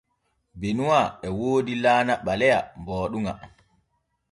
Benuwa e woodi laana ɓaleya booɗuŋa.